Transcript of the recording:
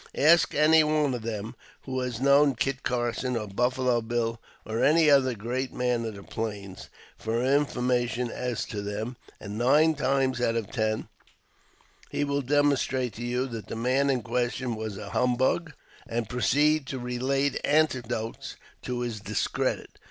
Ask any one of them who has known Kit Carson, or Buffalo Bill, or any other great man of the Plains, for information as to them, and nine times out of ten he will demonstrate to you that the man in question was a humbug, and proceed to relate anecdotes to his discredit.